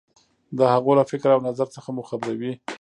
د هغو له فکر او نظر څخه مو خبروي.